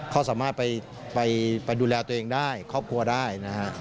เขาสามารถไปดูแลตัวเองได้ครอบครัวได้นะฮะ